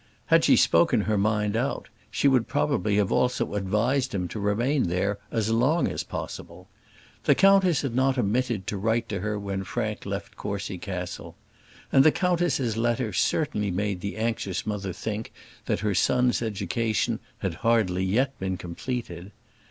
Had she spoken her mind out, she would probably have also advised him to remain there as long as possible. The countess had not omitted to write to her when Frank left Courcy Castle; and the countess's letter certainly made the anxious mother think that her son's education had hardly yet been completed.